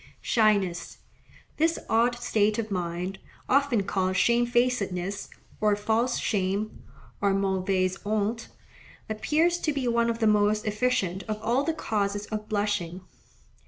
Shyness.—This odd state of mind, often called shamefacedness, or false shame, or mauvaise honte, appears to be one of the most efficient of all the causes of blushing.